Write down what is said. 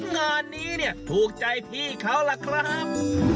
งานนี้เนี่ยถูกใจพี่เขาล่ะครับ